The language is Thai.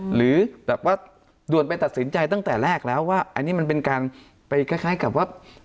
หรือแบบว่าด่วนไปตัดสินใจตั้งแต่แรกแล้วว่าอันนี้มันเป็นการไปคล้ายกับว่า